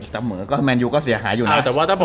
เสมอก็เสียหายอยู่นะ